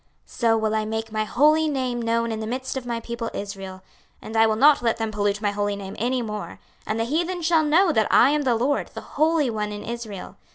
26:039:007 So will I make my holy name known in the midst of my people Israel; and I will not let them pollute my holy name any more: and the heathen shall know that I am the LORD, the Holy One in Israel.